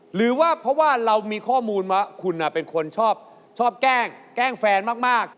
หรือว่าเพราะว่าเรามีข้อมูลว่าคุณเป็นคนชอบแกล้งแฟนมาก